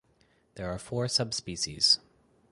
There are four subspecies.